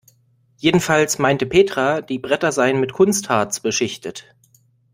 Jedenfalls meinte Petra, die Bretter seien mit Kunstharz beschichtet.